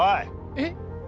えっ？